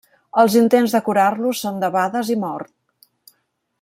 Els intents de curar-lo són debades i mor.